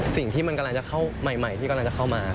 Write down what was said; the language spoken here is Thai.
สิ่งที่มันกำลังจะเข้าใหม่ที่กำลังจะเข้ามา